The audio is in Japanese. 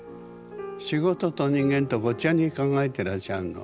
仕事と人間とごっちゃに考えてらっしゃるの。